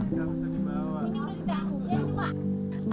ini udah ditangguh